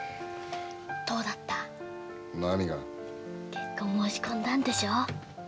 「結婚申し込んだんでしょ？」